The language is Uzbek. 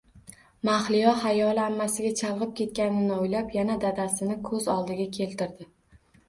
Mahliyo xayoli ammasiga chalg`ib ketganini o`ylab, yana dadasini ko`z oldiga keltirdi